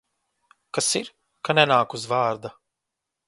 Kas ir, ka nenāk uz vārda?